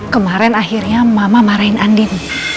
kemarin akhirnya mama marahin andin